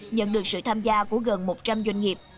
nhận được sự tham gia của gần một trăm linh doanh nghiệp